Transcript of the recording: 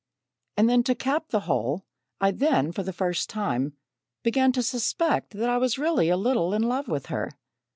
"And then to cap the whole, I then, for the first time, began to suspect that I was really a little in love with her.